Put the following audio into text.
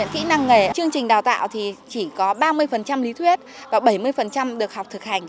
kỹ năng nghề chương trình đào tạo thì chỉ có ba mươi lý thuyết và bảy mươi được học thực hành